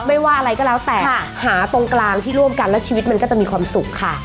ไม่ว่าอะไรก็แล้วแต่หาตรงกลางที่ร่วมกันแล้วชีวิตมันก็จะมีความสุขค่ะ